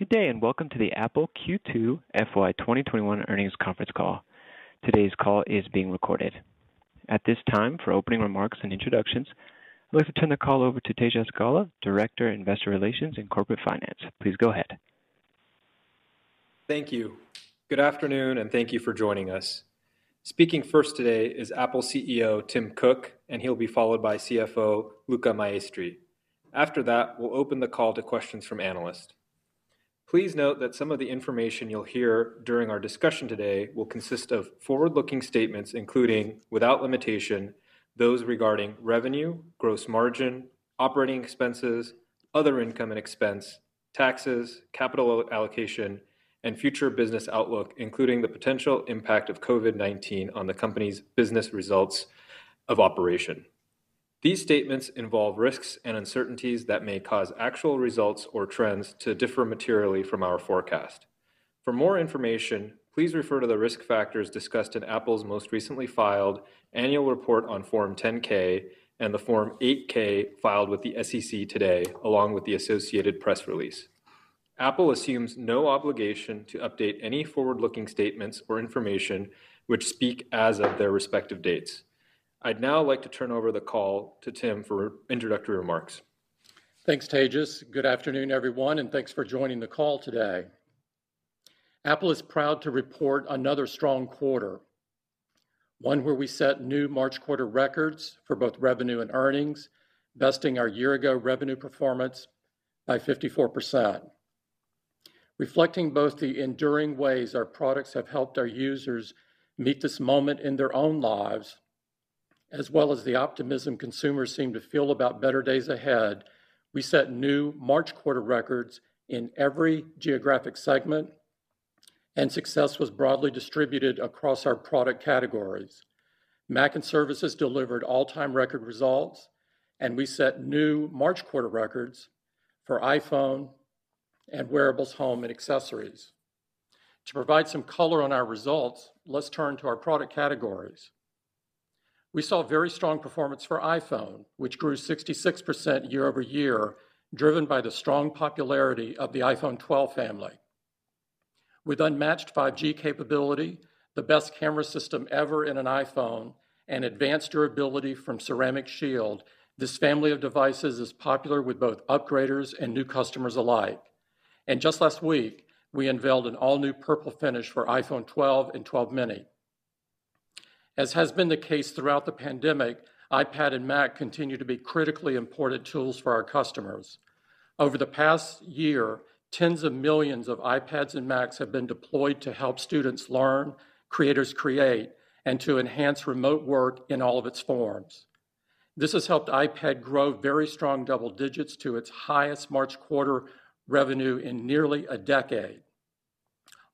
Good day, and welcome to the Apple Q2 FY 2021 earnings conference call. Today's call is being recorded. At this time, for opening remarks and introductions, I'd like to turn the call over to Tejas Gala, Director, Investor Relations and Corporate Finance. Please go ahead. Thank you. Good afternoon, and thank you for joining us. Speaking first today is Apple CEO Tim Cook. He'll be followed by CFO Luca Maestri. After that, we'll open the call to questions from analysts. Please note that some of the information you'll hear during our discussion today will consist of forward-looking statements, including, without limitation, those regarding revenue, gross margin, operating expenses, other income and expense, taxes, capital allocation, and future business outlook, including the potential impact of COVID-19 on the company's business results of operation. These statements involve risks and uncertainties that may cause actual results or trends to differ materially from our forecast. For more information, please refer to the risk factors discussed in Apple's most recently filed annual report on Form 10-K and the Form 8-K filed with the SEC today, along with the associated press release. Apple assumes no obligation to update any forward-looking statements or information which speak as of their respective dates. I'd now like to turn over the call to Tim for introductory remarks. Thanks, Tejas. Good afternoon, everyone, thanks for joining the call today. Apple is proud to report another strong quarter, one where we set new March Quarter records for both revenue and earnings, besting our year-ago revenue performance by 54%. Reflecting both the enduring ways our products have helped our users meet this moment in their own lives, as well as the optimism consumers seem to feel about better days ahead, we set new March Quarter records in every geographic segment, success was broadly distributed across our product categories. Mac and Services delivered all-time record results, we set new March Quarter records for iPhone and Wearables, Home, and Accessories. To provide some color on our results, let's turn to our product categories. We saw very strong performance for iPhone, which grew 66% year-over-year, driven by the strong popularity of the iPhone 12 family. With unmatched 5G capability, the best camera system ever in an iPhone, and advanced durability from Ceramic Shield, this family of devices is popular with both upgraders and new customers alike. Just last week, we unveiled an all-new purple finish for iPhone 12 and iPhone 12 mini. As has been the case throughout the pandemic, iPad and Mac continue to be critically important tools for our customers. Over the past year, tens of millions of iPads and Macs have been deployed to help students learn, creators create, and to enhance remote work in all of its forms. This has helped iPad grow very strong double digits to its highest March quarter revenue in nearly a decade.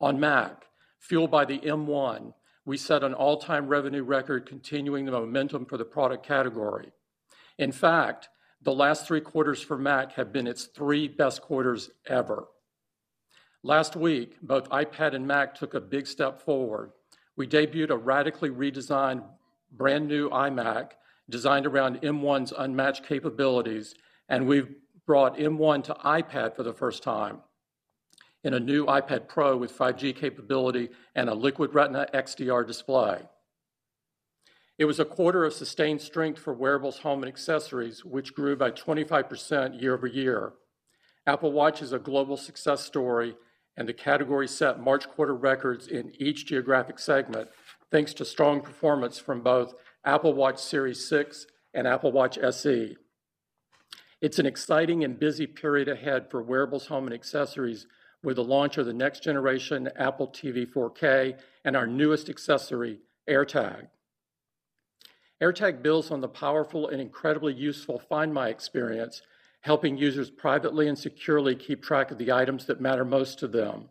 On Mac, fueled by the M1, we set an all-time revenue record, continuing the momentum for the product category. In fact, the last three quarters for Mac have been its three best quarters ever. Last week, both iPad and Mac took a big step forward. We debuted a radically redesigned brand new iMac designed around M1's unmatched capabilities, and we've brought M1 to iPad for the first time in a new iPad Pro with 5G capability and a Liquid Retina XDR display. It was a quarter of sustained strength for Wearables, Home, and Accessories, which grew by 25% year-over-year. Apple Watch is a global success story, and the category set March quarter records in each geographic segment, thanks to strong performance from both Apple Watch Series 6 and Apple Watch SE. It's an exciting and busy period ahead for Wearables, Home, and Accessories with the launch of the next generation Apple TV 4K and our newest accessory, AirTag. AirTag builds on the powerful and incredibly useful Find My experience, helping users privately and securely keep track of the items that matter most to them.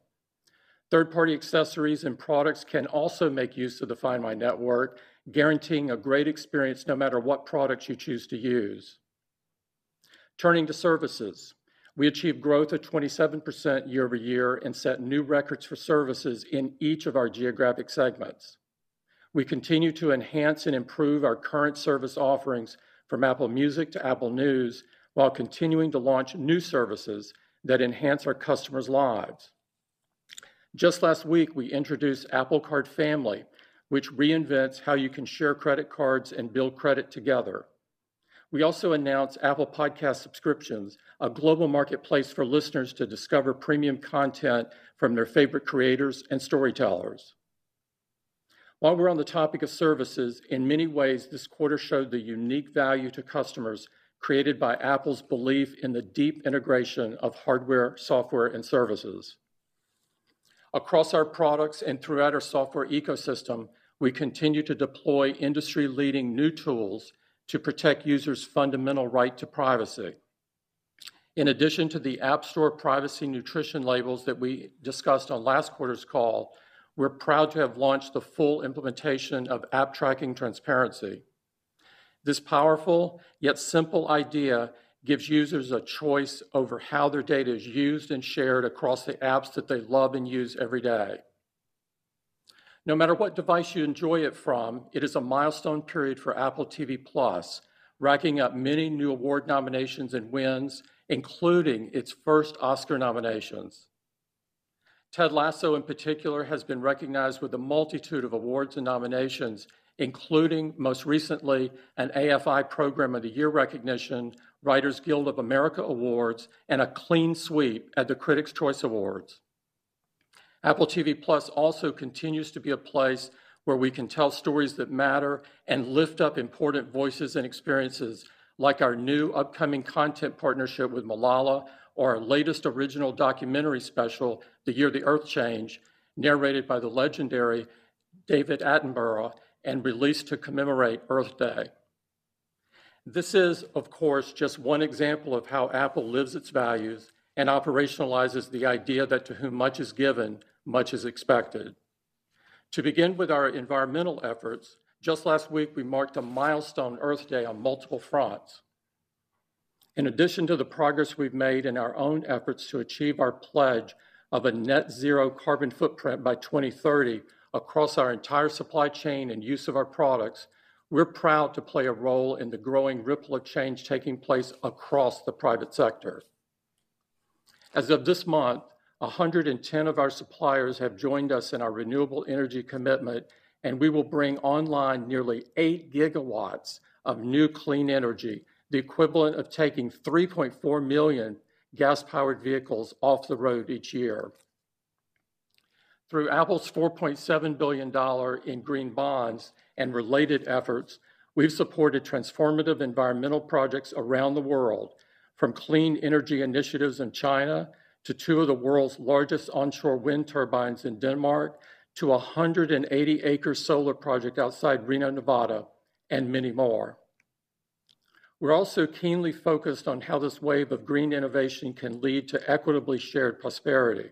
Third-party accessories and products can also make use of the Find My network, guaranteeing a great experience no matter what products you choose to use. Turning to Services, we achieved growth of 27% year-over-year and set new records for Services in each of our geographic segments. We continue to enhance and improve our current service offerings from Apple Music to Apple News, while continuing to launch new services that enhance our customers' lives. Just last week, we introduced Apple Card Family, which reinvents how you can share credit cards and build credit together. We also announced Apple Podcasts Subscriptions, a global marketplace for listeners to discover premium content from their favorite creators and storytellers. While we're on the topic of Services, in many ways, this quarter showed the unique value to customers created by Apple's belief in the deep integration of hardware, software, and services. Across our products and throughout our software ecosystem, we continue to deploy industry-leading new tools to protect users' fundamental right to privacy. In addition to the App Store privacy nutrition labels that we discussed on last quarter's call, we're proud to have launched the full implementation of App Tracking Transparency. This powerful yet simple idea gives users a choice over how their data is used and shared across the apps that they love and use every day. No matter what device you enjoy it from, it is a milestone period for Apple TV+, racking up many new award nominations and wins, including its first Oscar nominations. Ted Lasso" in particular, has been recognized with a multitude of awards and nominations, including most recently an AFI Program of the Year recognition, Writers Guild of America awards, and a clean sweep at the Critics' Choice Awards. Apple TV+ also continues to be a place where we can tell stories that matter and lift up important voices and experiences, like our new upcoming content partnership with Malala, or our latest original documentary special, "The Year the Earth Changed," narrated by the legendary David Attenborough, and released to commemorate Earth Day. This is, of course, just one example of how Apple lives its values and operationalizes the idea that to whom much is given, much is expected. To begin with our environmental efforts, just last week we marked a milestone Earth Day on multiple fronts. In addition to the progress we've made in our own efforts to achieve our pledge of a net zero carbon footprint by 2030 across our entire supply chain and use of our products, we're proud to play a role in the growing ripple of change taking place across the private sector. As of this month, 110 of our suppliers have joined us in our renewable energy commitment, and we will bring online nearly eight GW of new clean energy, the equivalent of taking 3.4 million gas-powered vehicles off the road each year. Through Apple's $4.7 billion in green bonds and related efforts, we've supported transformative environmental projects around the world, from clean energy initiatives in China to two of the world's largest onshore wind turbines in Denmark, to a 180-acre solar project outside Reno, Nevada, and many more. We're also keenly focused on how this wave of green innovation can lead to equitably shared prosperity.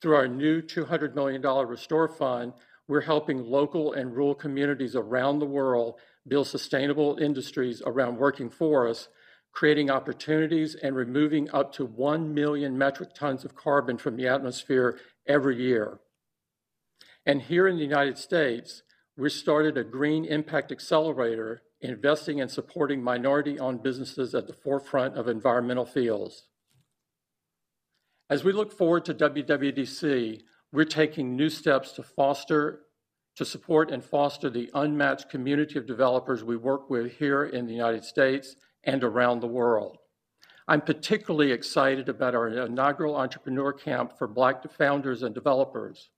Through our new $200 million Restore Fund, we're helping local and rural communities around the world build sustainable industries around working forests, creating opportunities, and removing up to 1 million metric tons of carbon from the atmosphere every year. Here in the U.S., we started a Green Impact Accelerator, investing in supporting minority-owned businesses at the forefront of environmental fields. As we look forward to WWDC, we're taking new steps to support and foster the unmatched community of developers we work with here in the U.S. and around the world. I'm particularly excited about our inaugural Entrepreneur Camp for Black founders and developers.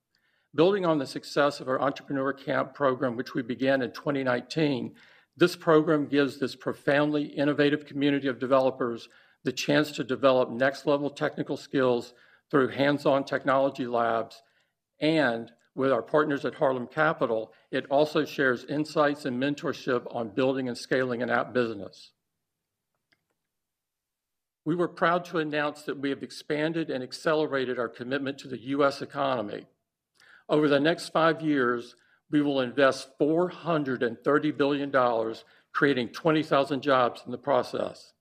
Building on the success of our Entrepreneur Camp program, which we began in 2019, this program gives this profoundly innovative community of developers the chance to develop next-level technical skills through hands-on technology labs, and with our partners at Harlem Capital, it also shares insights and mentorship on building and scaling an app business. We were proud to announce that we have expanded and accelerated our commitment to the U.S. economy. Over the next five years, we will invest $430 billion, creating 20,000 jobs in the process.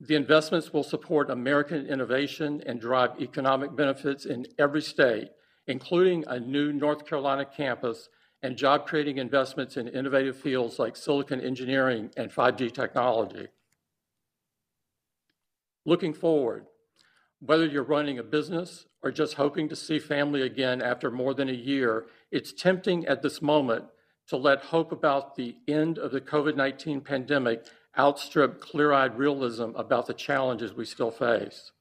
The investments will support American innovation and drive economic benefits in every state, including a new North Carolina campus and job-creating investments in innovative fields like silicon engineering and 5G technology. Looking forward, whether you're running a business or just hoping to see family again after more than a year, it's tempting at this moment to let hope about the end of the COVID-19 pandemic outstrip clear-eyed realism about the challenges we still face.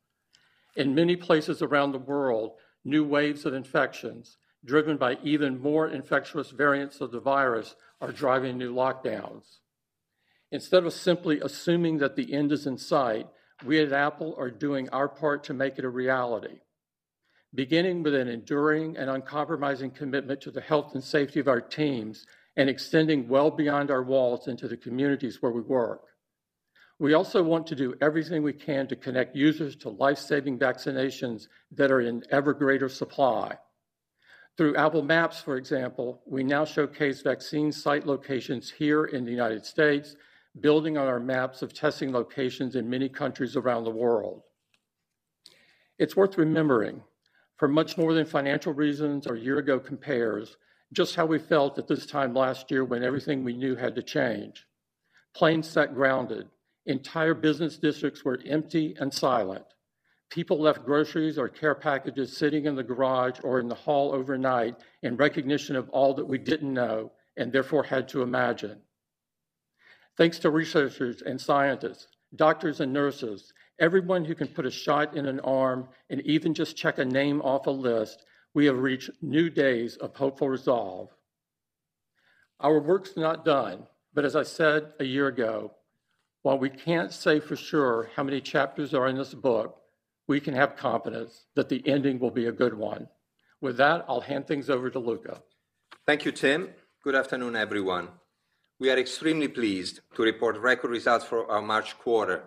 In many places around the world, new waves of infections, driven by even more infectious variants of the virus, are driving new lockdowns. Instead of simply assuming that the end is in sight, we at Apple are doing our part to make it a reality, beginning with an enduring and uncompromising commitment to the health and safety of our teams, and extending well beyond our walls into the communities where we work. We also want to do everything we can to connect users to life-saving vaccinations that are in ever greater supply. Through Apple Maps, for example, we now showcase vaccine site locations here in the United States, building on our maps of testing locations in many countries around the world. It's worth remembering, for much more than financial reasons or year-ago compares, just how we felt at this time last year when everything we knew had to change. Planes sat grounded. Entire business districts were empty and silent. People left groceries or care packages sitting in the garage or in the hall overnight in recognition of all that we didn't know, and therefore had to imagine. Thanks to researchers and scientists, doctors and nurses, everyone who can put a shot in an arm and even just check a name off a list, we have reached new days of hopeful resolve. Our work's not done, but as I said a year ago, while we can't say for sure how many chapters are in this book, we can have confidence that the ending will be a good one. With that, I'll hand things over to Luca. Thank you, Tim. Good afternoon, everyone. We are extremely pleased to report record results for our March quarter,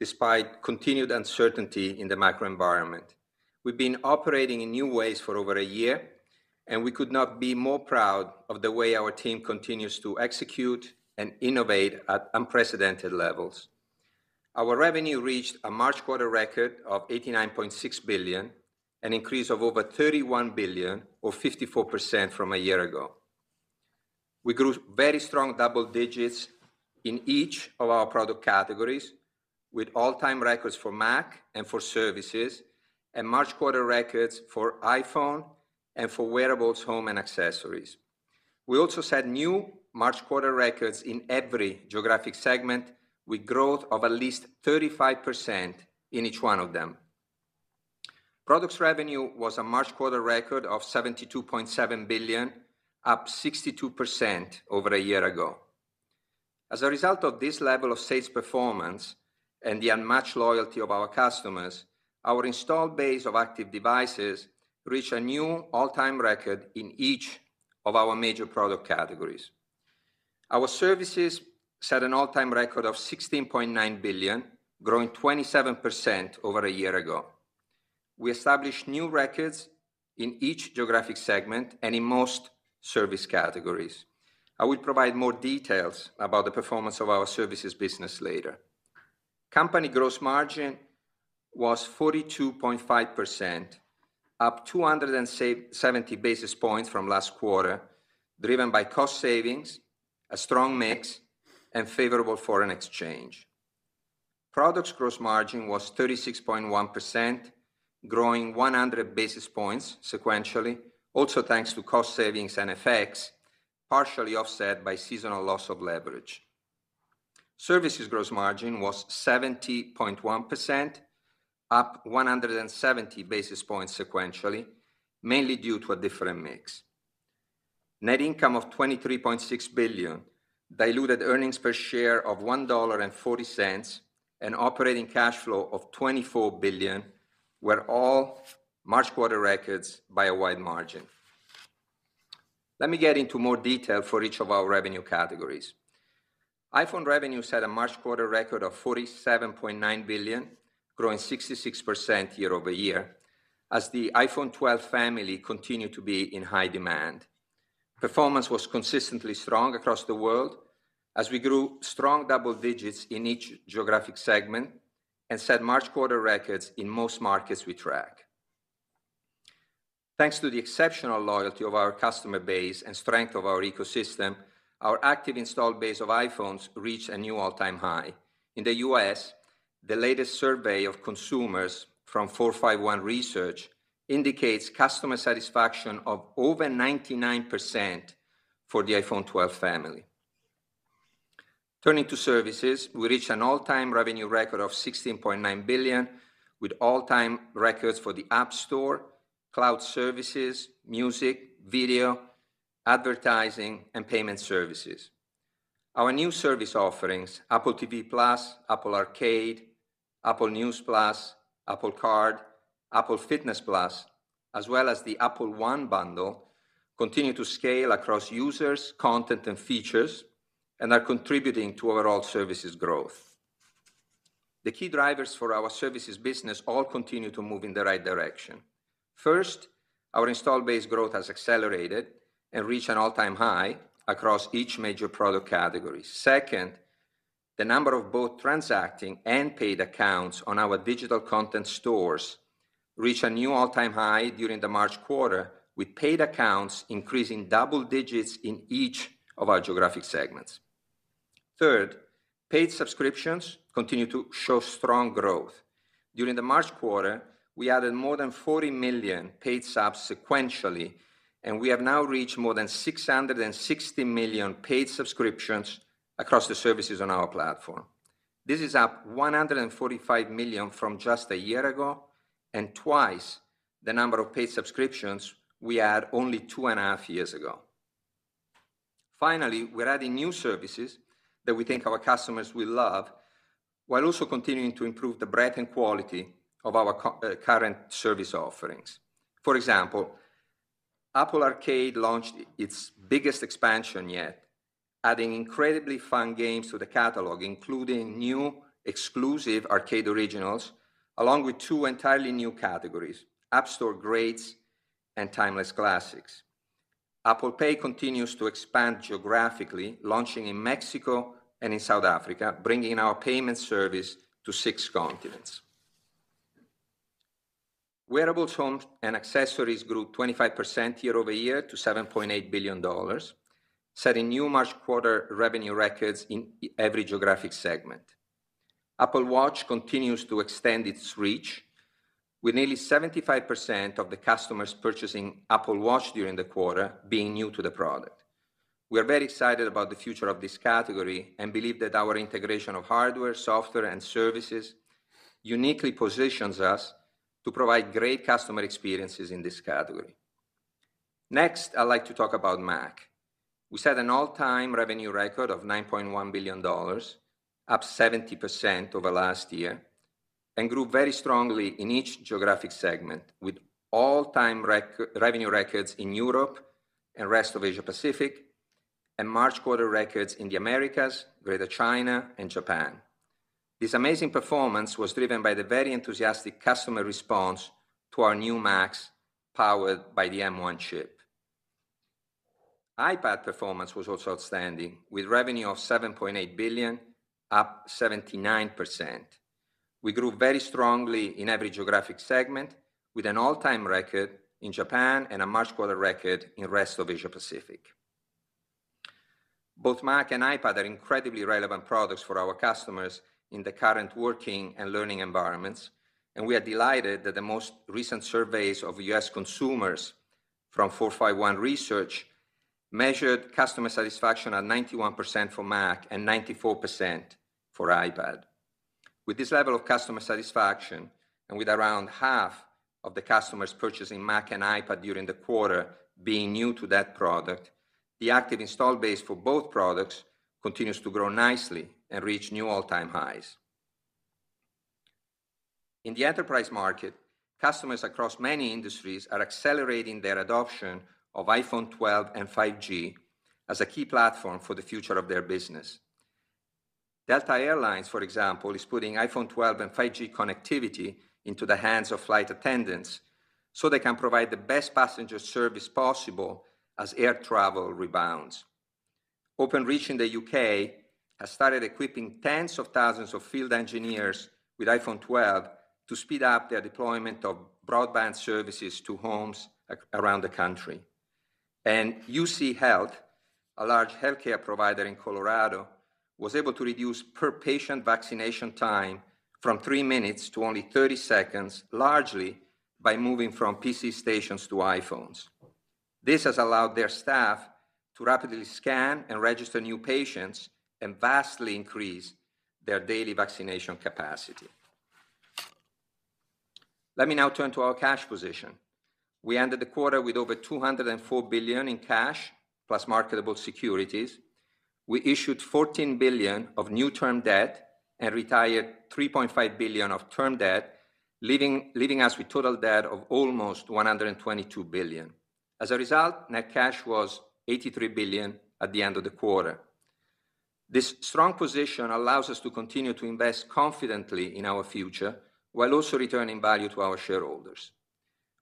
despite continued uncertainty in the macro environment. We've been operating in new ways for over a year, and we could not be more proud of the way our team continues to execute and innovate at unprecedented levels. Our revenue reached a March quarter record of $89.6 billion, an increase of over $31 billion or 54% from a year ago. We grew very strong double digits in each of our product categories, with all-time records for Mac and for services, and March quarter records for iPhone and for wearables, home, and accessories. We also set new March quarter records in every geographic segment, with growth of at least 35% in each one of them. Products revenue was a March quarter record of $72.7 billion, up 62% over a year ago. As a result of this level of sales performance and the unmatched loyalty of our customers, our installed base of active devices reached a new all-time record in each of our major product categories. Our services set an all-time record of $16.9 billion, growing 27% over a year ago. We established new records in each geographic segment and in most service categories. I will provide more details about the performance of our services business later. Company gross margin was 42.5%, up 270 basis points from last quarter, driven by cost savings, a strong mix, and favorable foreign exchange. Products gross margin was 36.1%, growing 100 basis points sequentially, also thanks to cost savings and effects, partially offset by seasonal loss of leverage. Services gross margin was 70.1%, up 170 basis points sequentially, mainly due to a different mix. Net income of $23.6 billion, diluted earnings per share of $1.40, and operating cash flow of $24 billion were all March quarter records by a wide margin. Let me get into more detail for each of our revenue categories. iPhone revenue set a March quarter record of $47.9 billion, growing 66% year-over-year, as the iPhone 12 family continued to be in high demand. Performance was consistently strong across the world as we grew strong double digits in each geographic segment and set March quarter records in most markets we track. Thanks to the exceptional loyalty of our customer base and strength of our ecosystem, our active installed base of iPhones reached a new all-time high. In the U.S., the latest survey of consumers from 451 Research indicates customer satisfaction of over 99% for the iPhone 12 family. Turning to services, we reached an all-time revenue record of $16.9 billion with all-time records for the App Store, cloud services, music, video, advertising, and payment services. Our new service offerings, Apple TV+, Apple Arcade, Apple News+, Apple Card, Apple Fitness+, as well as the Apple One bundle, continue to scale across users, content, and features and are contributing to overall services growth. The key drivers for our services business all continue to move in the right direction. First, our installed base growth has accelerated and reached an all-time high across each major product category. Second, the number of both transacting and paid accounts on our digital content stores reached a new all-time high during the March quarter, with paid accounts increasing double digits in each of our geographic segments. Third, paid subscriptions continue to show strong growth. During the March quarter, we added more than 40 million paid subs sequentially, and we have now reached more than 660 million paid subscriptions across the services on our platform. This is up 145 million from just a year ago and twice the number of paid subscriptions we had only 2.5 years ago. We're adding new services that we think our customers will love while also continuing to improve the breadth and quality of our current service offerings. For example, Apple Arcade launched its biggest expansion yet, adding incredibly fun games to the catalog, including new exclusive Arcade Originals, along with two entirely new categories: App Store Greats and Timeless Classics. Apple Pay continues to expand geographically, launching in Mexico and in South Africa, bringing our payment service to six continents. Wearables, home, and accessories grew 25% year-over-year to $7.8 billion, setting new March quarter revenue records in every geographic segment. Apple Watch continues to extend its reach, with nearly 75% of the customers purchasing Apple Watch during the quarter being new to the product. We are very excited about the future of this category and believe that our integration of hardware, software, and services uniquely positions us to provide great customer experiences in this category. Next, I'd like to talk about Mac. We set an all-time revenue record of $9.1 billion, up 70% over last year, and grew very strongly in each geographic segment, with all-time revenue records in Europe and rest of Asia-Pacific and March quarter records in the Americas, Greater China, and Japan. This amazing performance was driven by the very enthusiastic customer response to our new Macs powered by the M1 chip. iPad performance was also outstanding with revenue of $7.8 billion, up 79%. We grew very strongly in every geographic segment with an all-time record in Japan and a March quarter record in rest of Asia Pacific. Both Mac and iPad are incredibly relevant products for our customers in the current working and learning environments, and we are delighted that the most recent surveys of U.S. consumers from 451 Research measured customer satisfaction at 91% for Mac and 94% for iPad. With this level of customer satisfaction, and with around half of the customers purchasing Mac and iPad during the quarter being new to that product, the active install base for both products continues to grow nicely and reach new all-time highs. In the enterprise market, customers across many industries are accelerating their adoption of iPhone 12 and 5G as a key platform for the future of their business. Delta Air Lines, for example, is putting iPhone 12 and 5G connectivity into the hands of flight attendants so they can provide the best passenger service possible as air travel rebounds. Openreach in the U.K. has started equipping tens of thousands of field engineers with iPhone 12 to speed up their deployment of broadband services to homes around the country. UCHealth, a large healthcare provider in Colorado, was able to reduce per-patient vaccination time from three minutes to only 30 seconds, largely by moving from PC stations to iPhones. This has allowed their staff to rapidly scan and register new patients and vastly increase their daily vaccination capacity. Let me now turn to our cash position. We ended the quarter with over $204 billion in cash plus marketable securities. We issued $14 billion of new term debt and retired $3.5 billion of term debt, leaving us with total debt of almost $122 billion. As a result, net cash was $83 billion at the end of the quarter. This strong position allows us to continue to invest confidently in our future while also returning value to our shareholders.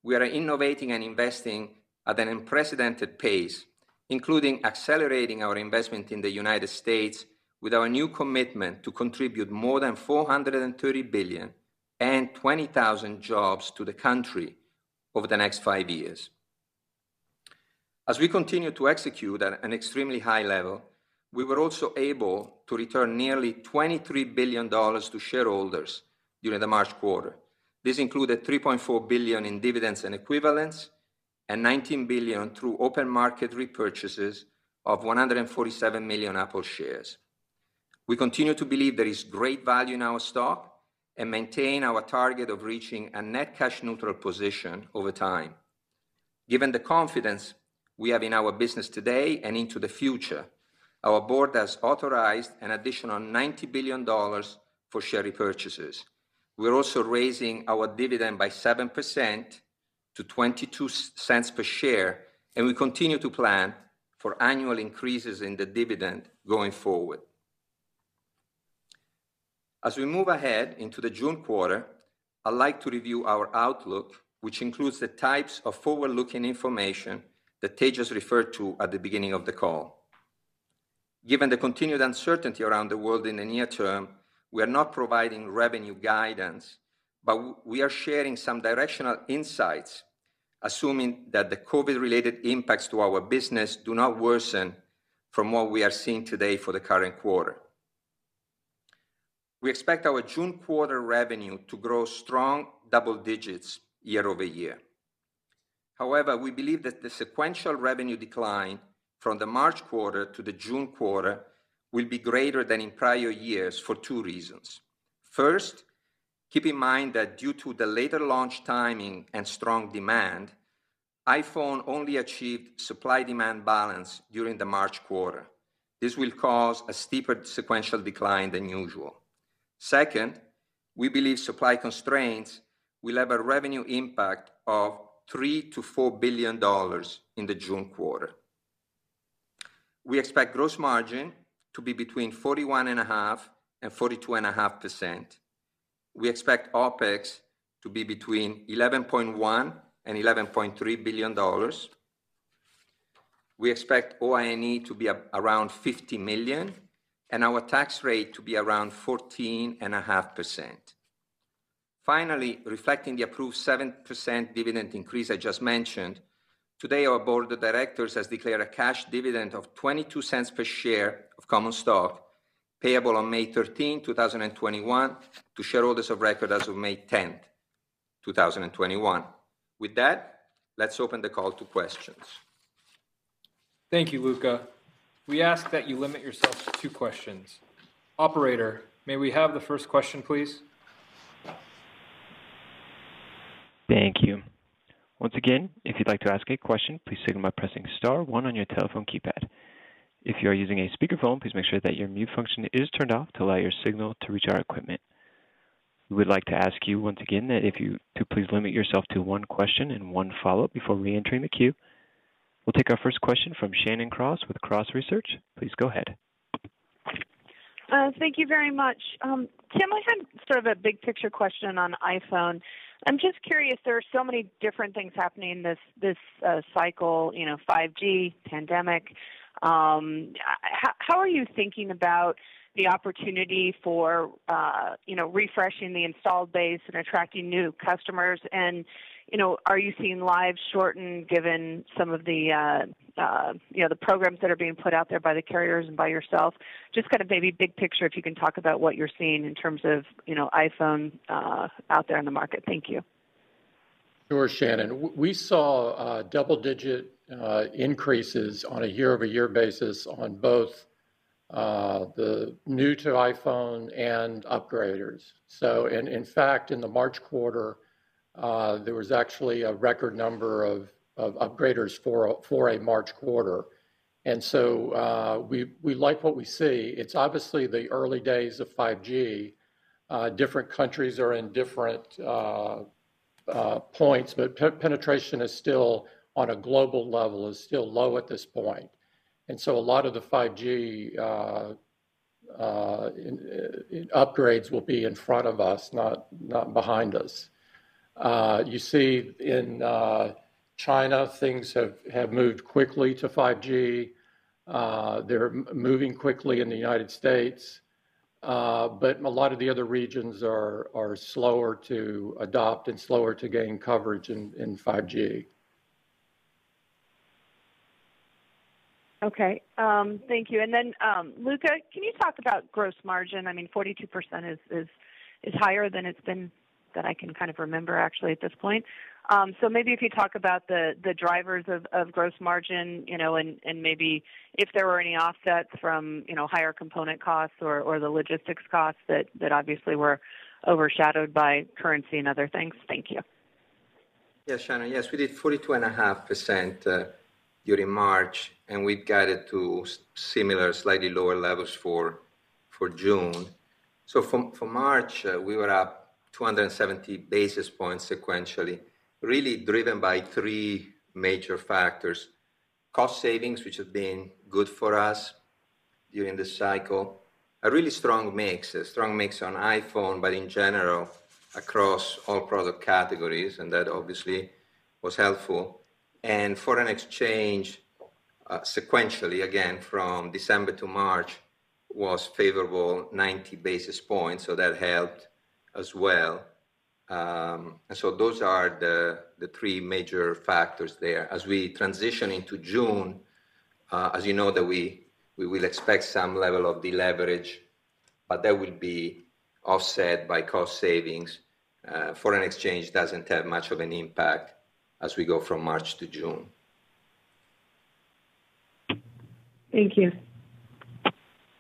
We are innovating and investing at an unprecedented pace, including accelerating our investment in the U.S. with our new commitment to contribute more than $430 billion and 20,000 jobs to the country over the next five years. As we continue to execute at an extremely high level, we were also able to return nearly $23 billion to shareholders during the March quarter. This included $3.4 billion in dividends and equivalents and $19 billion through open market repurchases of 147 million Apple shares. We continue to believe there is great value in our stock and maintain our target of reaching a net cash neutral position over time. Given the confidence we have in our business today and into the future, our board has authorized an additional $90 billion for share repurchases. We're also raising our dividend by 7% to $0.22 per share, and we continue to plan for annual increases in the dividend going forward. As we move ahead into the June quarter, I'd like to review our outlook, which includes the types of forward-looking information that Tejas has referred to at the beginning of the call. Given the continued uncertainty around the world in the near term, we are not providing revenue guidance, but we are sharing some directional insights, assuming that the COVID-related impacts to our business do not worsen from what we are seeing today for the current quarter. We expect our June quarter revenue to grow strong double digits year-over-year. However, we believe that the sequential revenue decline from the March quarter to the June quarter will be greater than in prior years for two reasons. First, keep in mind that due to the later launch timing and strong demand, iPhone only achieved supply-demand balance during the March quarter. This will cause a steeper sequential decline than usual. Second, we believe supply constraints will have a revenue impact of $3 billion-$4 billion in the June quarter. We expect gross margin to be between 41.5% and 42.5%. We expect OpEx to be between $11.1 billion and $11.3 billion. We expect OIE to be around $50 million and our tax rate to be around 14.5%. Finally, reflecting the approved 7% dividend increase I just mentioned, today our board of directors has declared a cash dividend of $0.22 per share of common stock payable on May 13th, 2021, to shareholders of record as of May 10th, 2021. With that, let's open the call to questions. Thank you, Luca. We ask that you limit yourself to two questions. Operator, may we have the first question, please? Thank you. Once again, if you'd like to ask a question, please signal by pressing star one on your telephone keypad. If you are using a speakerphone, please make sure that your mute function is turned off to allow your signal to reach our equipment. We would like to ask you once again that if you could please limit yourself to one question and one follow-up before reentering the queue. We'll take our first question from Shannon Cross with Cross Research. Please go ahead. Thank you very much. Tim, I had sort of a big picture question on iPhone. I'm just curious, there are so many different things happening this cycle, 5G, pandemic. How are you thinking about the opportunity for refreshing the installed base and attracting new customers? Are you seeing lives shorten given some of the programs that are being put out there by the carriers and by yourself? Just kind of maybe big picture, if you can talk about what you're seeing in terms of iPhone out there in the market. Thank you. Sure, Shannon. We saw double-digit increases on a year-over-year basis on both the new-to-iPhone and upgraders. In fact, in the March quarter, there was actually a record number of upgraders for a March quarter. We like what we see. It's obviously the early days of 5G. Different countries are in different points, but penetration on a global level is still low at this point. A lot of the 5G upgrades will be in front of us, not behind us. You see in China, things have moved quickly to 5G. They're moving quickly in the United States. A lot of the other regions are slower to adopt and slower to gain coverage in 5G. Okay. Thank you. Luca, can you talk about gross margin? I mean, 42% is higher than it's been, that I can kind of remember actually at this point. Maybe if you talk about the drivers of gross margin, and maybe if there were any offsets from higher component costs or the logistics costs that obviously were overshadowed by currency and other things. Thank you. Shannon. Yes, we did 42.5% during March, we guided to similar, slightly lower levels for June. For March, we were up 270 basis points sequentially, really driven by three major factors. Cost savings, which have been good for us during this cycle. A really strong mix, a strong mix on iPhone, in general, across all product categories, that obviously was helpful. Foreign exchange, sequentially, again, from December to March, was favorable 90 basis points, that helped as well. Those are the three major factors there. As we transition into June, as you know that we will expect some level of deleverage, that will be offset by cost savings. Foreign exchange doesn't have much of an impact as we go from March to June. Thank you.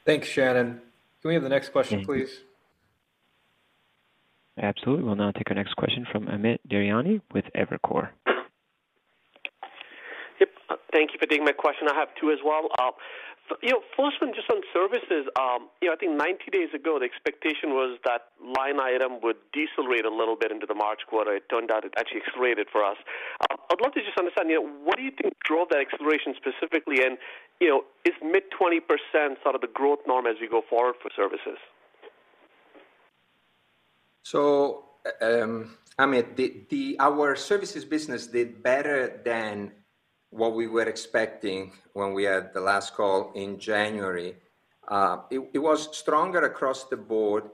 Thanks, Shannon. Can we have the next question, please? Absolutely. We'll now take our next question from Amit Daryanani with Evercore. Yep. Thank you for taking my question. I have two as well. First one, just on services. I think 90 days ago, the expectation was that line item would decelerate a little bit into the March quarter. It turned out it actually accelerated for us. I would love to just understand, what do you think drove that acceleration specifically? Is mid-20% sort of the growth norm as we go forward for services? Amit, our services business did better than what we were expecting when we had the last call in January. It was stronger across the board.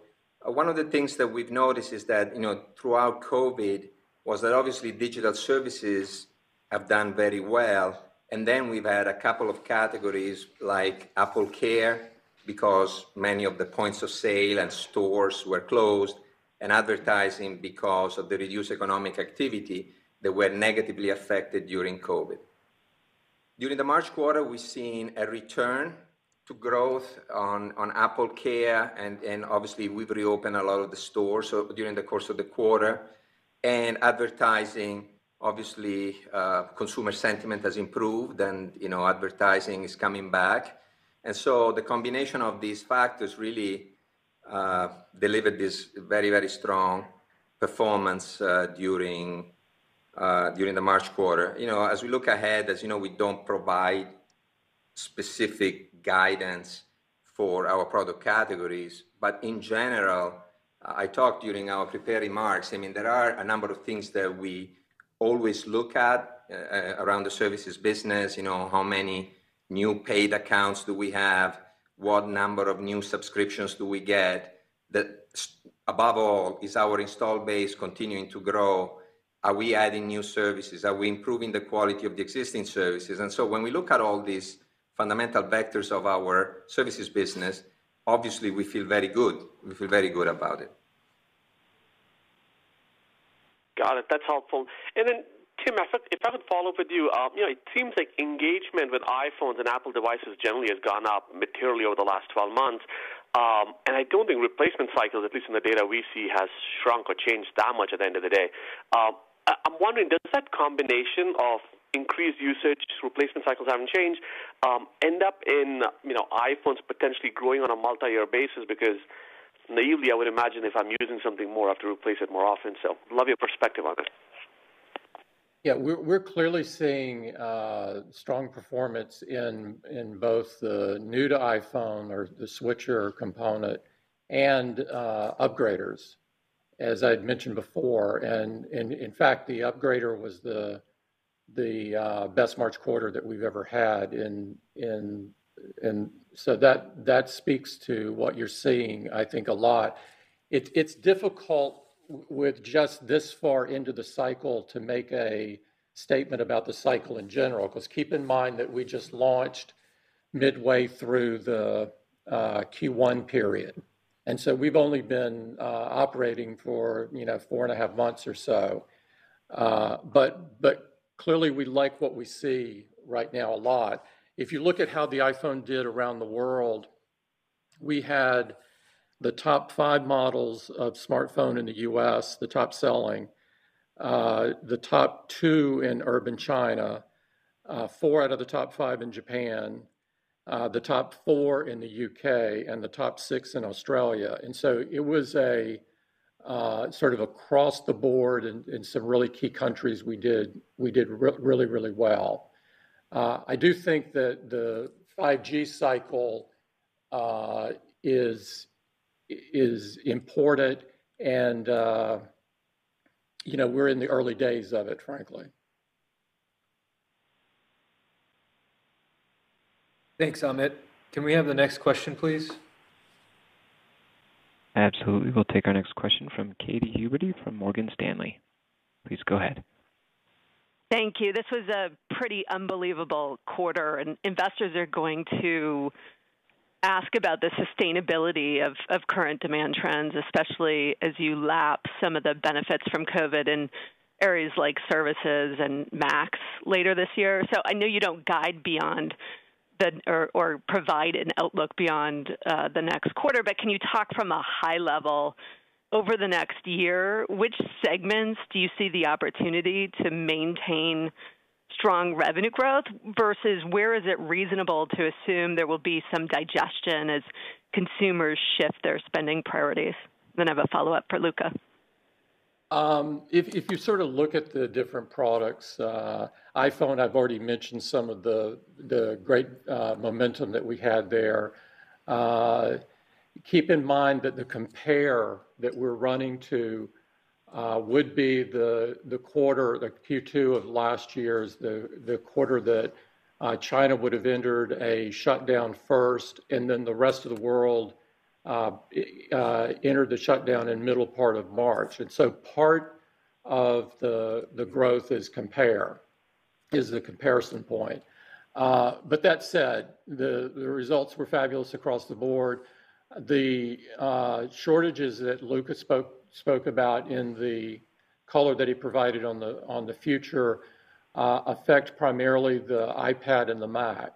One of the things that we've noticed is that, throughout COVID-19, was that obviously digital services have done very well, and then we've had a couple of categories like AppleCare, because many of the points of sale and stores were closed, and advertising because of the reduced economic activity that were negatively affected during COVID-19. During the March quarter, we've seen a return to growth on AppleCare, and obviously we've reopened a lot of the stores during the course of the quarter. Advertising, obviously, consumer sentiment has improved and advertising is coming back. The combination of these factors really delivered this very strong performance during the March quarter. As we look ahead, as you know, we don't provide specific guidance for our product categories, but in general, I talked during our prepared remarks, there are a number of things that we always look at around the services business. How many new paid accounts do we have? What number of new subscriptions do we get? That above all, is our installed base continuing to grow? Are we adding new services? Are we improving the quality of the existing services? When we look at all these fundamental vectors of our services business, obviously we feel very good. We feel very good about it. Got it. That's helpful. Tim, if I could follow up with you. It seems like engagement with iPhones and Apple devices generally has gone up materially over the last 12 months. I don't think replacement cycles, at least in the data we see, has shrunk or changed that much at the end of the day. I'm wondering, does that combination of increased usage, replacement cycles haven't changed, end up in iPhones potentially growing on a multi-year basis? Because naively, I would imagine if I'm using something more, I have to replace it more often. Would love your perspective on this. Yeah, we're clearly seeing strong performance in both the new-to-iPhone or the switcher component and upgraders, as I'd mentioned before. In fact, the upgrader was the best March quarter that we've ever had. That speaks to what you're seeing, I think, a lot. It's difficult with just this far into the cycle to make a statement about the cycle in general, because keep in mind that we just launched midway through the Q1 period. We've only been operating for 4.5 months or so. Clearly, we like what we see right now a lot. If you look at how the iPhone did around the world, we had the top five models of smartphone in the U.S., the top selling, the top two in urban China, four out of the top five in Japan, the top four in the U.K., and the top six in Australia. It was a sort of across the board in some really key countries we did really well. I do think that the 5G cycle is important and we're in the early days of it, frankly. Thanks, Amit. Can we have the next question, please? Absolutely. We'll take our next question from Katy Huberty from Morgan Stanley. Please go ahead. Thank you. This was a pretty unbelievable quarter. Investors are going to ask about the sustainability of current demand trends, especially as you lap some of the benefits from COVID in areas like services and Macs later this year. I know you don't guide beyond or provide an outlook beyond the next quarter. Can you talk from a high level over the next year, which segments do you see the opportunity to maintain strong revenue growth versus where is it reasonable to assume there will be some digestion as consumers shift their spending priorities? I have a follow-up for Luca. If you sort of look at the different products, iPhone, I've already mentioned some of the great momentum that we had there. Keep in mind that the compare that we're running to would be the quarter, the Q2 of last year, the quarter that China would have entered a shutdown first, then the rest of the world entered the shutdown in middle part of March. Part of the growth is compare, is the comparison point. That said, the results were fabulous across the board. The shortages that Luca spoke about in the color that he provided on the future affect primarily the iPad and the Mac.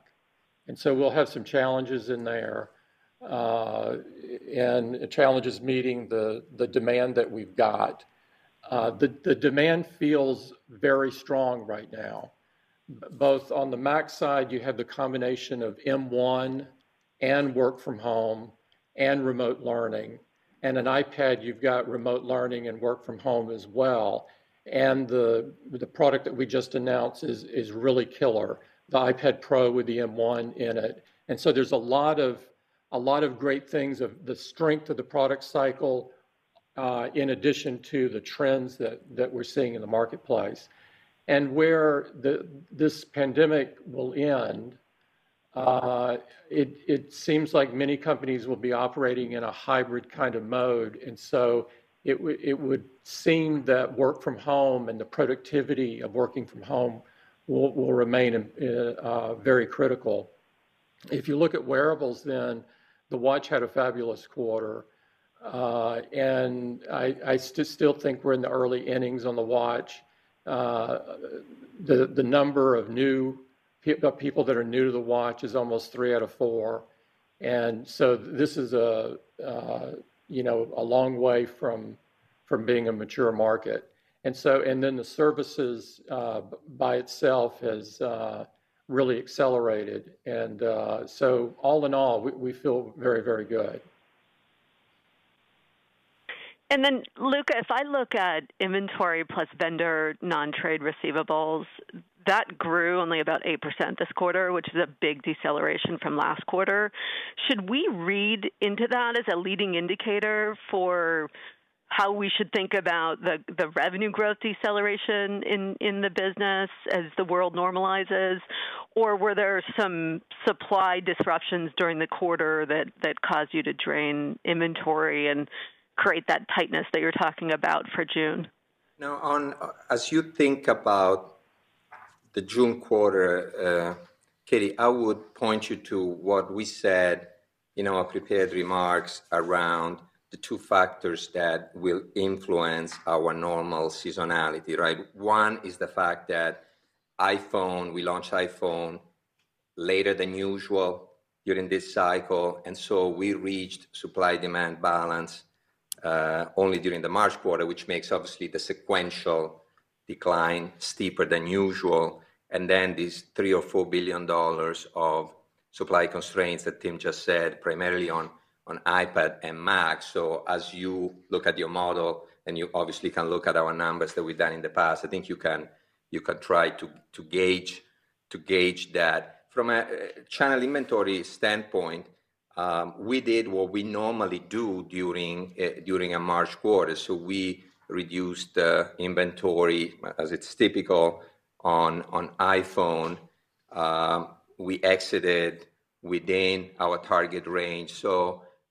We'll have some challenges in there, and challenges meeting the demand that we've got. The demand feels very strong right now, both on the Mac side, you have the combination of M1 and work from home and remote learning, an iPad, you've got remote learning and work from home as well. The product that we just announced is really killer, the iPad Pro with the M1 in it. There's a lot of great things of the strength of the product cycle in addition to the trends that we're seeing in the marketplace. Where this pandemic will end, it seems like many companies will be operating in a hybrid kind of mode, and so it would seem that work from home and the productivity of working from home will remain very critical. If you look at wearables then, the Watch had a fabulous quarter. I still think we're in the early innings on the Watch. The number of people that are new to the Apple Watch is almost three out of four. This is a long way from being a mature market. The Services by itself has really accelerated. All in all, we feel very good. Luca, if I look at inventory plus vendor non-trade receivables, that grew only about 8% this quarter, which is a big deceleration from last quarter. Should we read into that as a leading indicator for how we should think about the revenue growth deceleration in the business as the world normalizes? Were there some supply disruptions during the quarter that caused you to drain inventory and create that tightness that you're talking about for June? As you think about the June quarter, Katy, I would point you to what we said in our prepared remarks around the two factors that will influence our normal seasonality, right? One is the fact that iPhone, we launched iPhone later than usual during this cycle, we reached supply-demand balance only during the March quarter, which makes obviously the sequential decline steeper than usual. These $3 billion or $4 billion of supply constraints that Tim just said, primarily on iPad and Mac. As you look at your model, and you obviously can look at our numbers that we've done in the past, I think you can try to gauge that. From a channel inventory standpoint, we did what we normally do during a March quarter. We reduced inventory, as it's typical on iPhone. We exited within our target range.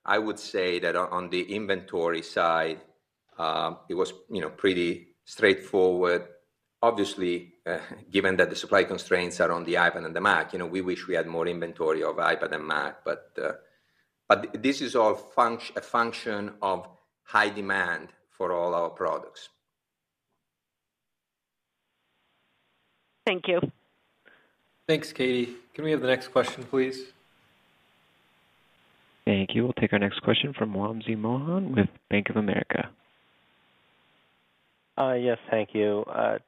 I would say that on the inventory side, it was pretty straightforward. Obviously, given that the supply constraints are on the iPad and the Mac, we wish we had more inventory of iPad and Mac, but this is all a function of high demand for all our products. Thank you. Thanks, Katy. Can we have the next question, please? Thank you. We'll take our next question from Wamsi Mohan with Bank of America. Yes, thank you.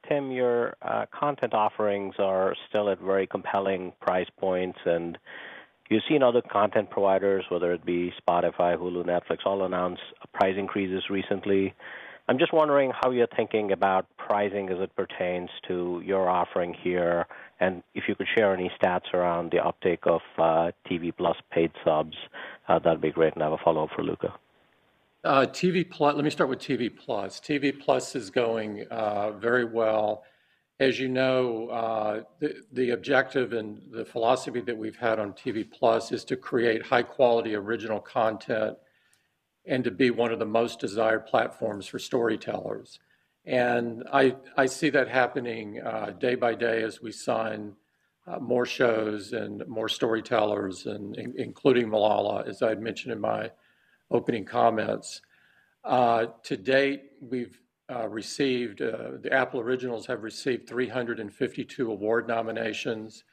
Tim, your content offerings are still at very compelling price points, and you've seen other content providers, whether it be Spotify, Hulu, Netflix, all announce price increases recently. I'm just wondering how you're thinking about pricing as it pertains to your offering here, and if you could share any stats around the uptake of Apple TV+ paid subs, that'd be great. And I have a follow-up for Luca. Let me start with Apple TV+. Apple TV+ is going very well. As you know, the objective and the philosophy that we've had on Apple TV+ is to create high-quality original content and to be one of the most desired platforms for storytellers. I see that happening day by day as we sign more shows and more storytellers, including Malala, as I had mentioned in my opening comments. To date, the Apple Originals have received 352 award nominations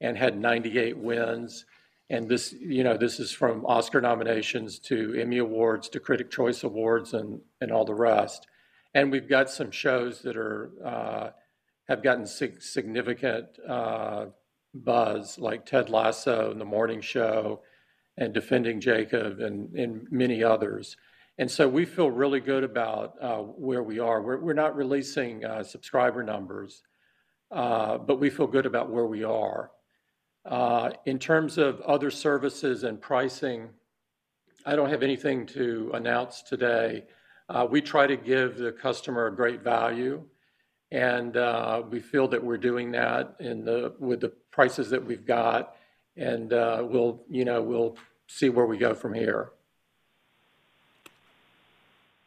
and had 98 wins. This is from Oscar nominations to Emmy awards to Critics' Choice Awards and all the rest. We've got some shows that have gotten significant buzz, like "Ted Lasso" and "The Morning Show" and "Defending Jacob" and many others. We feel really good about where we are. We're not releasing subscriber numbers, but we feel good about where we are. In terms of other services and pricing, I don't have anything to announce today. We try to give the customer great value, and we feel that we're doing that with the prices that we've got. We'll see where we go from here.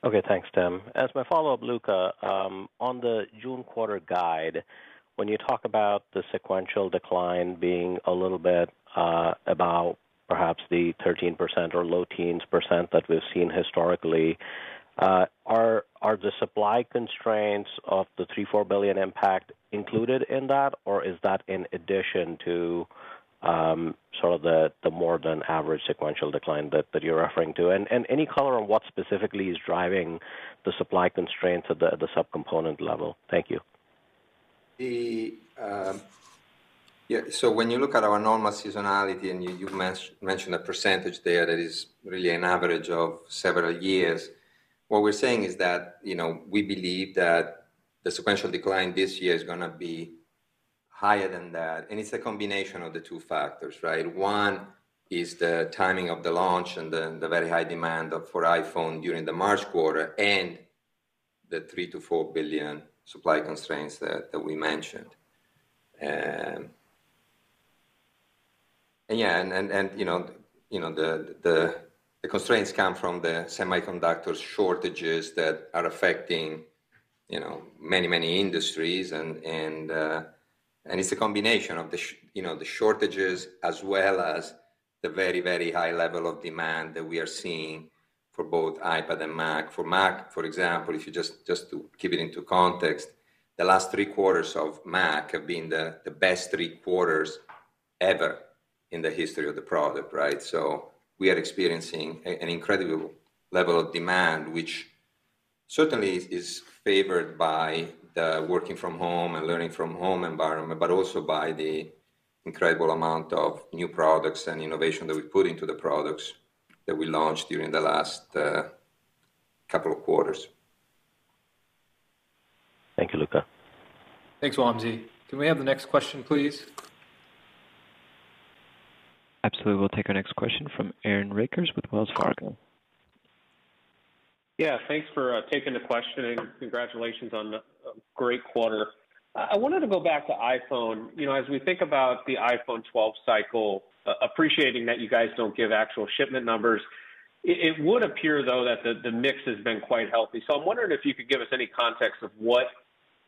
Okay. Thanks, Tim. As my follow-up, Luca, on the June quarter guide, when you talk about the sequential decline being a little bit about perhaps the 13% or low teens percent that we've seen historically, are the supply constraints of the $3 billion-$4 billion impact included in that, or is that in addition to sort of the more than average sequential decline that you're referring to? Any color on what specifically is driving the supply constraints at the sub-component level? Thank you. When you look at our normal seasonality, and you mentioned a percentage there that is really an average of several years, what we're saying is that we believe that the sequential decline this year is going to be higher than that, and it's a combination of the two factors, right. One is the timing of the launch and the very high demand for iPhone during the March quarter, and the $3 billion-$4 billion supply constraints that we mentioned. Yeah, the constraints come from the semiconductor shortages that are affecting many industries, and it's a combination of the shortages as well as the very high level of demand that we are seeing for both iPad and Mac. For Mac, for example, just to keep it into context, the last three quarters of Mac have been the best three quarters ever in the history of the product, right. We are experiencing an incredible level of demand, which certainly is favored by the working from home and learning from home environment, but also by the incredible amount of new products and innovation that we put into the products that we launched during the last couple of quarters. Thank you, Luca. Thanks, Wamsi. Can we have the next question, please? Absolutely. We'll take our next question from Aaron Rakers with Wells Fargo. Yeah, thanks for taking the question. Congratulations on a great quarter. I wanted to go back to iPhone. As we think about the iPhone 12 cycle, appreciating that you guys don't give actual shipment numbers, it would appear, though, that the mix has been quite healthy. I'm wondering if you could give us any context of what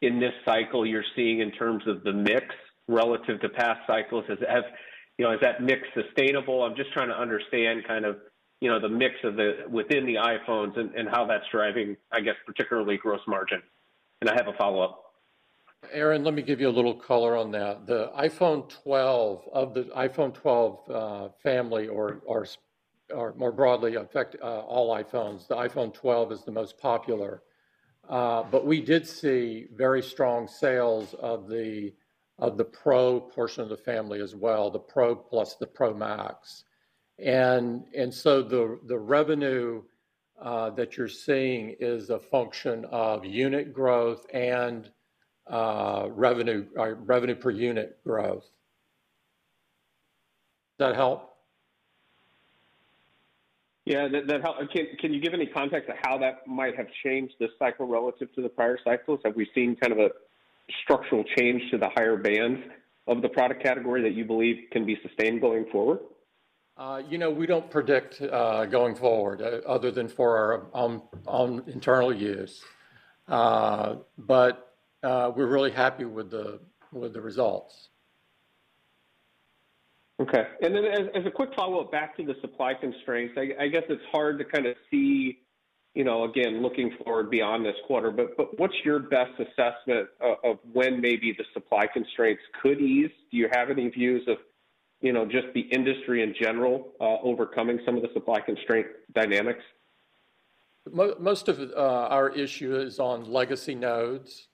in this cycle, you're seeing in terms of the mix relative to past cycles. Is that mix sustainable? I'm just trying to understand the mix within the iPhones and how that's driving, I guess, particularly gross margin. I have a follow-up. Aaron, let me give you a little color on that. Of the iPhone 12 family or more broadly, in fact, all iPhones, the iPhone 12 is the most popular. We did see very strong sales of the Pro portion of the family as well, the Pro Plus, the Pro Max. The revenue that you're seeing is a function of unit growth and revenue per unit growth. Does that help? Yeah, that helps. Can you give any context to how that might have changed this cycle relative to the prior cycles? Have we seen a structural change to the higher bands of the product category that you believe can be sustained going forward? We don't predict going forward, other than for our own internal use. We're really happy with the results. Okay. As a quick follow-up back to the supply constraints, I guess it's hard to see, again, looking forward beyond this quarter, but what's your best assessment of when maybe the supply constraints could ease? Do you have any views of just the industry in general overcoming some of the supply constraint dynamics? Most of our issue is on legacy nodes.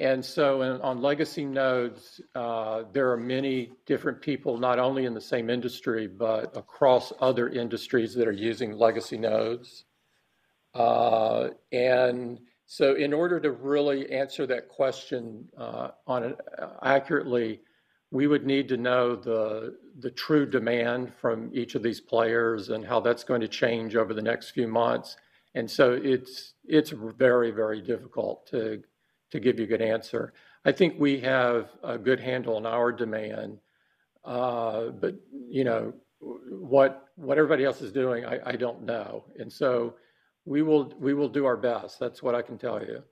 On legacy nodes, there are many different people, not only in the same industry, but across other industries that are using legacy nodes. In order to really answer that question accurately, we would need to know the true demand from each of these players and how that's going to change over the next few months. It's very difficult to give you a good answer. I think we have a good handle on our demand. What everybody else is doing, I don't know. We will do our best. That's what I can tell you.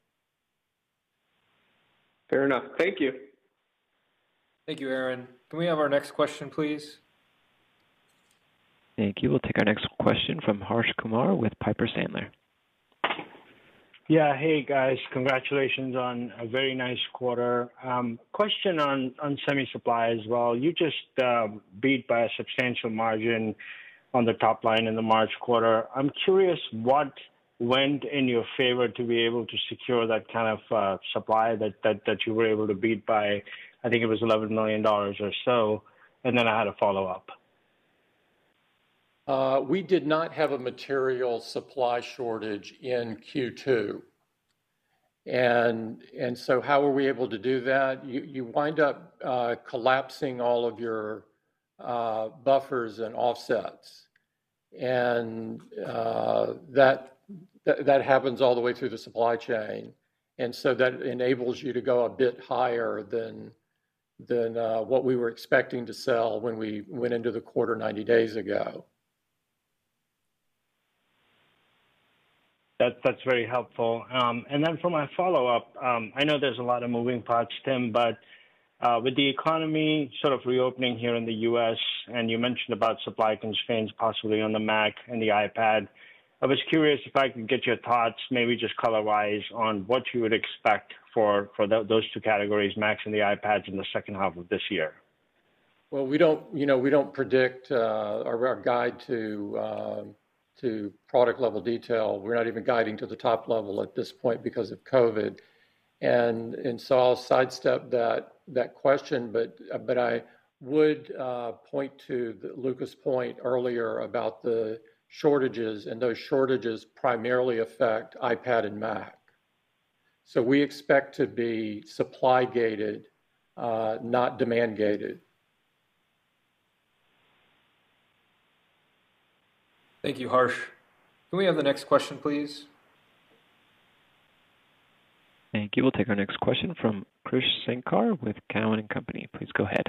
Fair enough. Thank you. Thank you, Aaron. Can we have our next question, please? Thank you. We'll take our next question from Harsh Kumar with Piper Sandler. Yeah. Hey, guys. Congratulations on a very nice quarter. Question on semi supply as well. You just beat by a substantial margin on the top line in the March quarter. I'm curious what went in your favor to be able to secure that kind of supply that you were able to beat by, I think it was $11 million or so, and then I had a follow-up. We did not have a material supply shortage in Q2. How were we able to do that? You wind up collapsing all of your buffers and offsets. That happens all the way through the supply chain. That enables you to go a bit higher than what we were expecting to sell when we went into the quarter 90 days ago. That's very helpful. For my follow-up, I know there's a lot of moving parts, Tim, but with the economy sort of reopening here in the U.S., and you mentioned about supply constraints possibly on the Mac and the iPad, I was curious if I could get your thoughts, maybe just color-wise, on what you would expect for those two categories, Macs and the iPads, in the second half of this year. Well, we don't predict our guide to product level detail. We're not even guiding to the top level at this point because of COVID. I'll sidestep that question, but I would point to Luca's point earlier about the shortages, and those shortages primarily affect iPad and Mac. We expect to be supply-gated, not demand-gated. Thank you, Harsh. Can we have the next question, please? Thank you. We'll take our next question from Krish Sankar with Cowen and Company. Please go ahead.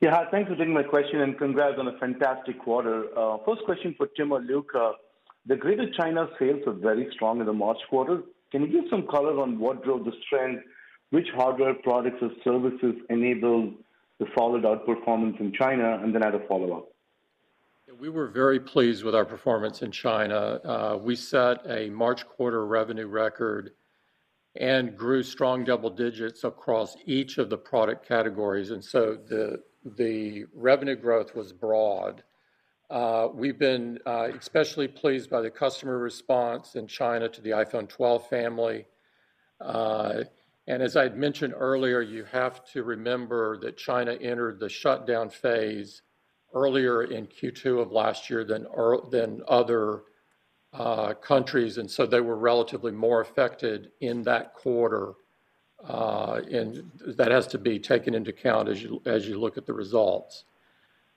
Yeah. Hi, thanks for taking my question and congrats on a fantastic quarter. First question for Tim or Luca, the Greater China sales were very strong in the March quarter. Can you give some color on what drove the strength, which hardware products or services enabled the solid outperformance in China, and then I had a follow-up. We were very pleased with our performance in China. We set a March quarter revenue record and grew strong double digits across each of the product categories. The revenue growth was broad. We've been especially pleased by the customer response in China to the iPhone 12 family. As I'd mentioned earlier, you have to remember that China entered the shutdown phase earlier in Q2 of last year than other countries. They were relatively more affected in that quarter. That has to be taken into account as you look at the results.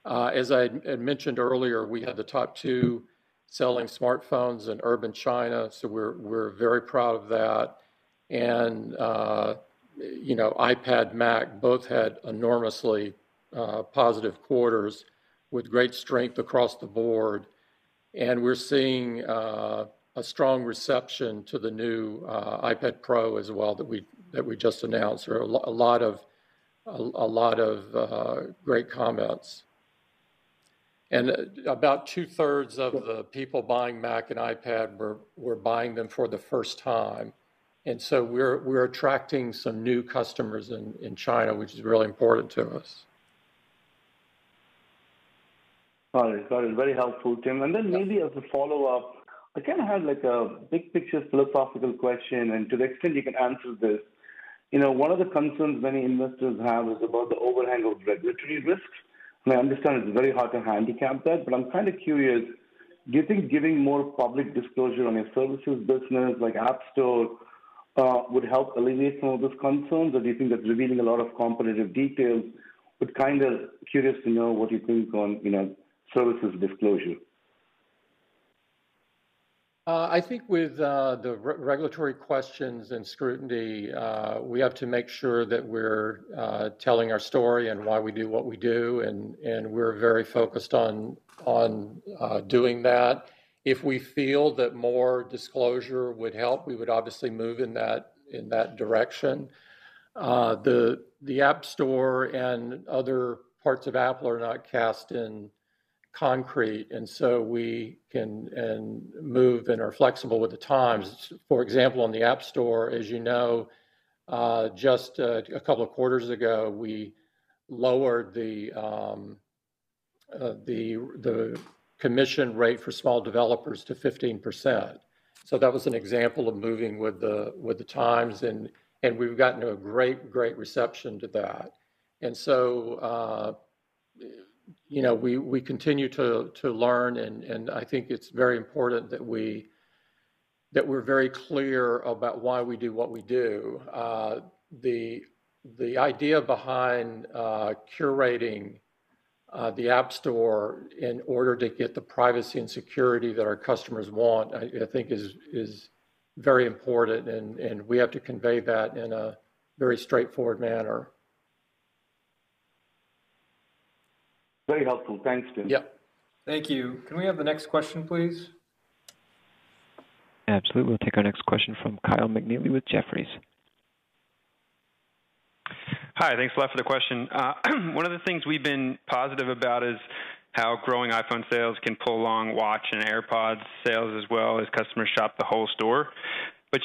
As I had mentioned earlier, we had the top two selling smartphones in urban China. We're very proud of that. iPad, Mac, both had enormously positive quarters with great strength across the board, and we're seeing a strong reception to the new iPad Pro as well that we just announced. A lot of great comments. About two-thirds of the people buying Mac and iPad were buying them for the first time. We're attracting some new customers in China, which is really important to us. All right. Got it. Very helpful, Tim. Then maybe as a follow-up, I have a big picture philosophical question, and to the extent you can answer this. One of the concerns many investors have is about the overhang of regulatory risks, and I understand it's very hard to handicap that, but I'm kind of curious, do you think giving more public disclosure on your services business, like App Store, would help alleviate some of those concerns? Do you think that revealing a lot of competitive details. Kind of curious to know what you think on services disclosure. I think with the regulatory questions and scrutiny, we have to make sure that we're telling our story and why we do what we do, and we're very focused on doing that. If we feel that more disclosure would help, we would obviously move in that direction. The App Store and other parts of Apple are not cast in concrete, and so we can move and are flexible with the times. For example, on the App Store, as you know, just a couple of quarters ago, we lowered the commission rate for small developers to 15%. That was an example of moving with the times and we've gotten a great reception to that. We continue to learn and I think it's very important that we're very clear about why we do what we do. The idea behind curating the App Store in order to get the privacy and security that our customers want, I think is very important, and we have to convey that in a very straightforward manner. Very helpful. Thanks, Tim. Yep. Thank you. Can we have the next question, please? Absolutely. We'll take our next question from Kyle McNealy with Jefferies. Hi. Thanks a lot for the question. One of the things we've been positive about is how growing iPhone sales can pull along Watch and AirPods sales as well as customers shop the whole store.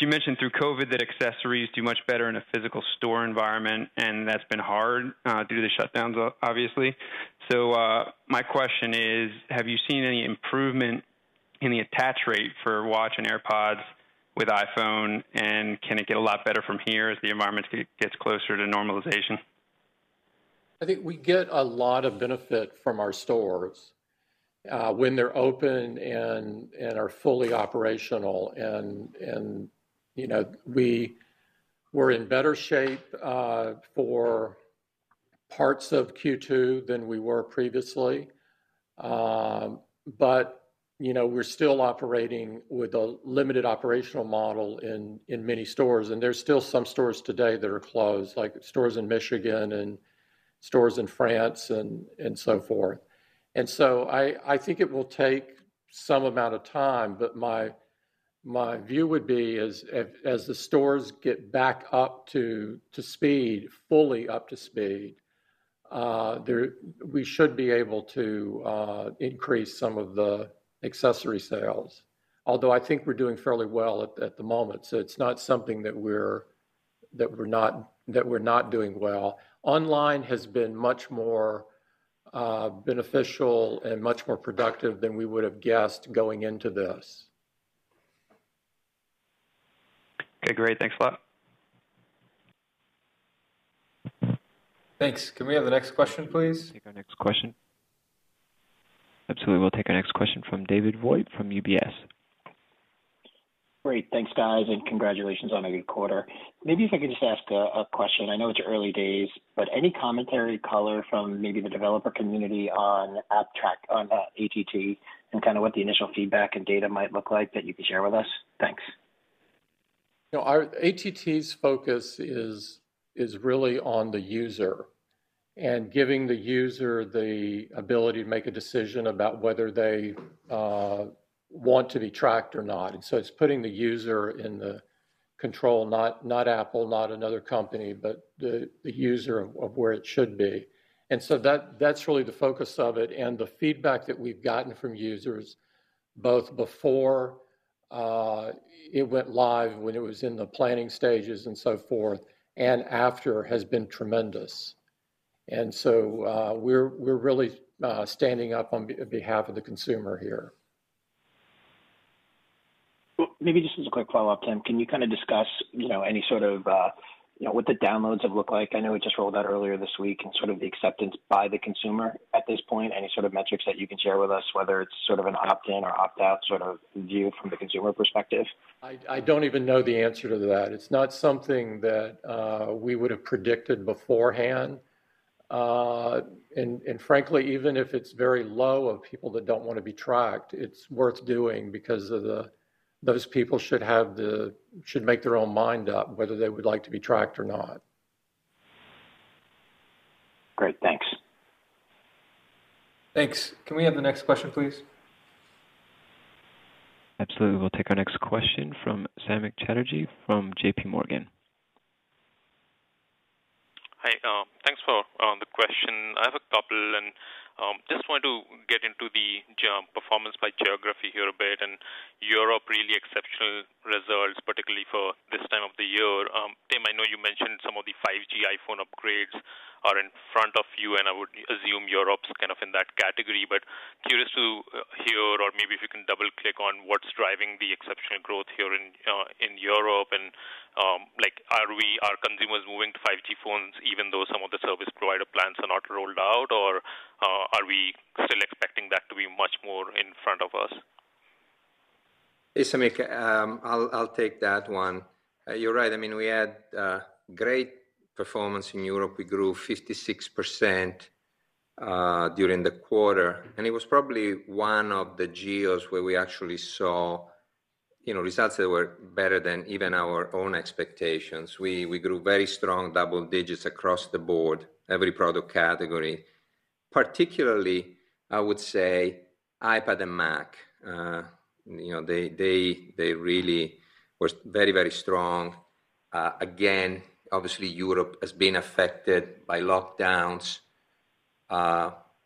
You mentioned through COVID that accessories do much better in a physical store environment, and that's been hard due to the shutdowns, obviously. My question is, have you seen any improvement in the attach rate for Watch and AirPods with iPhone? Can it get a lot better from here as the environment gets closer to normalization? I think we get a lot of benefit from our stores when they're open and are fully operational. We were in better shape for parts of Q2 than we were previously. We're still operating with a limited operational model in many stores. There's still some stores today that are closed, like stores in Michigan and stores in France and so forth. I think it will take some amount of time, but my view would be as the stores get back up to speed, fully up to speed, we should be able to increase some of the accessory sales. I think we're doing fairly well at the moment, so it's not something that we're not doing well. Online has been much more beneficial and much more productive than we would've guessed going into this. Okay, great. Thanks a lot. Thanks. Can we have the next question, please? Take our next question. Absolutely. We'll take our next question from David Vogt from UBS. Great. Thanks, guys. Congratulations on a good quarter. Maybe if I could just ask a question. I know it's early days, but any commentary color from maybe the developer community on ATT and kind of what the initial feedback and data might look like that you could share with us? Thanks. ATT's focus is really on the user, and giving the user the ability to make a decision about whether they want to be tracked or not. It's putting the user in the control, not Apple, not another company, but the user of where it should be. That's really the focus of it, and the feedback that we've gotten from users both before it went live, when it was in the planning stages and so forth, and after, has been tremendous. We're really standing up on behalf of the consumer here. Maybe just as a quick follow-up, Tim, can you kind of discuss what the downloads have looked like? I know it just rolled out earlier this week and sort of the acceptance by the consumer at this point, any sort of metrics that you can share with us, whether it's sort of an opt-in or opt-out sort of view from the consumer perspective. I don't even know the answer to that. It's not something that we would've predicted beforehand. Frankly, even if it's very low of people that don't want to be tracked, it's worth doing because those people should make their own mind up whether they would like to be tracked or not. Great. Thanks. Thanks. Can we have the next question, please? Absolutely. We'll take our next question from Samik Chatterjee from JPMorgan. Hi, thanks for the question. I have a couple and just want to get into the job performance by geography here a bit. Europe really exceptional results, particularly for this time of the year. Tim, I know you mentioned, the iPhone upgrades are in front of you, and I would assume Europe's kind of in that category. Curious to hear, or maybe if you can double-click on what's driving the exceptional growth here in Europe and are consumers moving to 5G phones even though some of the service provider plans are not rolled out, or are we still expecting that to be much more in front of us? Hey, Samik. I'll take that one. You're right. We had great performance in Europe. We grew 56% during the quarter, and it was probably one of the geos where we actually saw results that were better than even our own expectations. We grew very strong double digits across the board, every product category. Particularly, I would say iPad and Mac. They really were very strong. Again, obviously, Europe has been affected by lockdowns.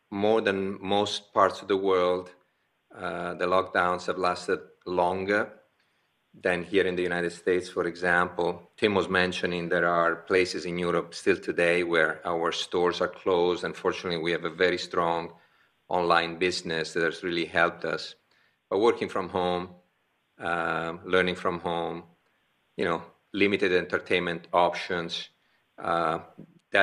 More than most parts of the world, the lockdowns have lasted longer than here in the United States, for example. Tim was mentioning there are places in Europe still today where our stores are closed. Fortunately, we have a very strong online business that has really helped us. Working from home, learning from home, limited entertainment options, that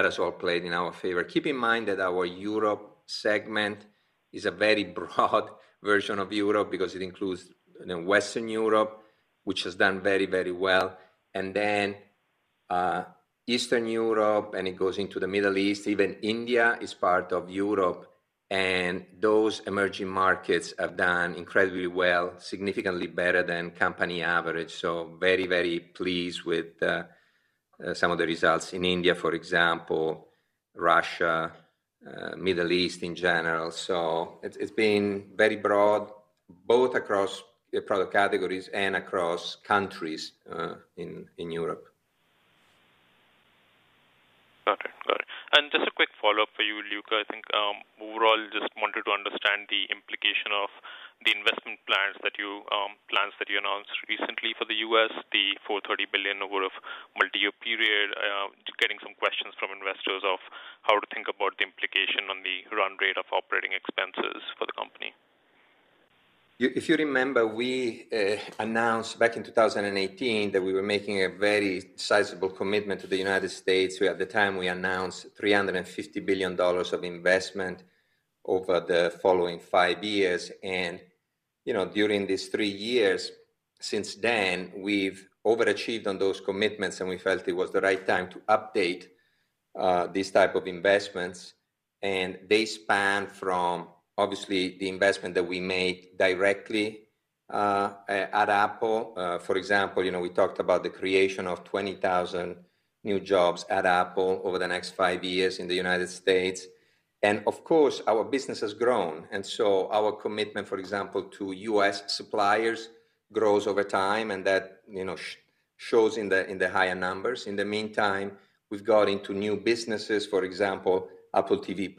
has all played in our favor. Keep in mind that our Europe segment is a very broad version of Europe because it includes Western Europe, which has done very well, and then Eastern Europe, and it goes into the Middle East. Even India is part of Europe, and those emerging markets have done incredibly well, significantly better than company average. Very pleased with some of the results in India, for example, Russia, Middle East in general. It's been very broad, both across product categories and across countries in Europe. Got it. Great. Just a quick follow-up for you, Luca. I think overall, just wanted to understand the implication of the investment plans that you announced recently for the U.S., the $430 billion over a multi-year period. Getting some questions from investors of how to think about the implication on the run rate of operating expenses for the company. If you remember, we announced back in 2018 that we were making a very sizable commitment to the U.S. At the time, we announced $350 billion of investment over the following five years. During these three years since then, we've overachieved on those commitments, and we felt it was the right time to update these types of investments, and they span from, obviously, the investment that we made directly at Apple. For example, we talked about the creation of 20,000 new jobs at Apple over the next five years in the U.S. Of course, our business has grown, and so our commitment, for example, to U.S. suppliers grows over time, and that shows in the higher numbers. In the meantime, we've gone into new businesses. For example, Apple TV+.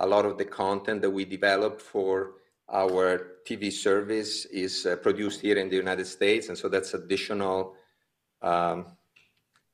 A lot of the content that we developed for our TV service is produced here in the United States, and so that's additional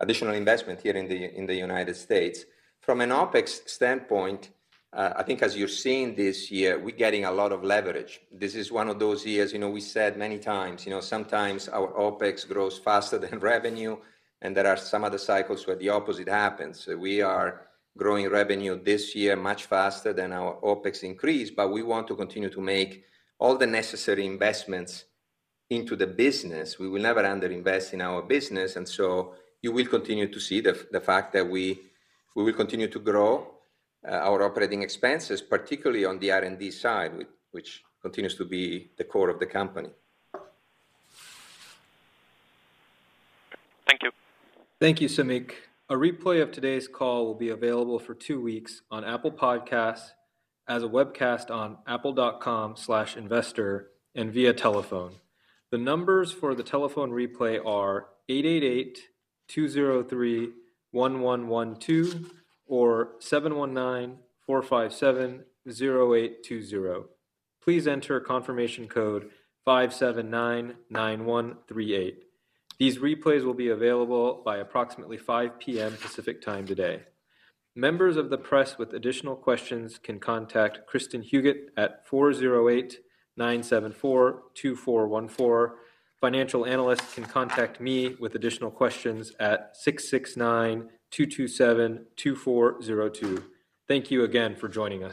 investment here in the United States. From an OpEx standpoint, I think as you're seeing this year, we're getting a lot of leverage. This is one of those years, we said many times, sometimes our OpEx grows faster than revenue, and there are some other cycles where the opposite happens. We are growing revenue this year much faster than our OpEx increase, but we want to continue to make all the necessary investments into the business. We will never under-invest in our business. You will continue to see the fact that we will continue to grow our operating expenses, particularly on the R&D side, which continues to be the core of the company. Thank you. Thank you, Samik. A replay of today's call will be available for two weeks on Apple Podcasts, as a webcast on apple.com/investor, and via telephone. The numbers for the telephone replay are 888-203-1112 or 719-457-0820. Please enter confirmation code 5799138. These replays will be available by approximately 5:00 P.M. Pacific Time today. Members of the press with additional questions can contact Kristin Huguet at 408-974-2414. Financial analysts can contact me with additional questions at 669-227-2402. Thank you again for joining us.